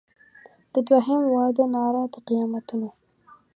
د دوهم واده ناره د قیامتونو